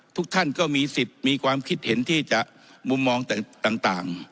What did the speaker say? ทุกท่านก็มีสิทธิ์มีความคิดเห็นที่จะมุมมองต่าง